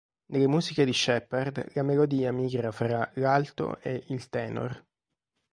Nelle musiche di Sheppard la melodia migra fra l"'alto" e il "tenor".